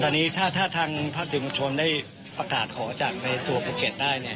ตอนนี้ถ้าทางภาคสื่อมวลชนได้ประกาศขอจากในตัวภูเก็ตได้เนี่ย